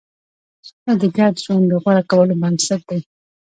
سوله د ګډ ژوند د غوره کولو بنسټ دی.